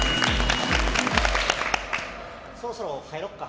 そろそろ帰ろうか。